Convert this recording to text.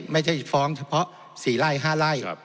ไม่ใช่ฟ้องเฉพาะ๔ไร่๕ไร่